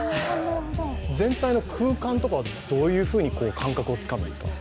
全体の空間とかはどういうふうに感覚をつかむんですか？